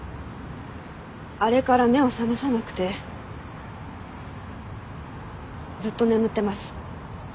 あれから目を覚まさなくてずっと眠ってます。